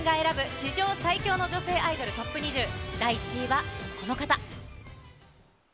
史上最強の女性アイドルＴＯＰ２０、第１位はこの方。